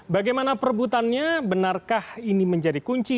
bagaimana perebutannya benarkah ini menjadi kunci